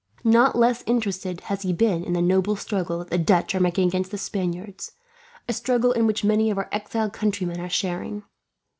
Not less interested has he been in the noble struggle that the Dutch are making against the Spaniards; a struggle in which many of our exiled countrymen are sharing.